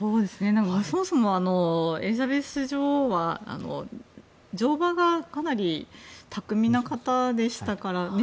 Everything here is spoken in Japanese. そもそもエリザベス女王は乗馬がかなり巧みな方でしたからね。